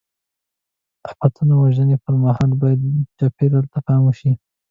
د آفتونو وژنې پر مهال باید چاپېریال ته پام وشي.